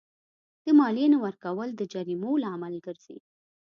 د مالیې نه ورکول د جریمو لامل ګرځي.